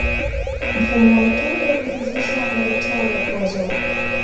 Mfumo wa metodo ulianzishwa na Vittorio Pozzo